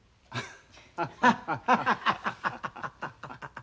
ハハハハハ